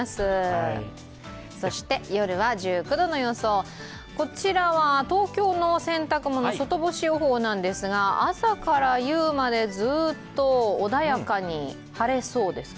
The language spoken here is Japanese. そして夜は１９度の予想、こちらは東京の洗濯物外干し予報なんですが朝から夕までずっと穏やかに晴れそうですか？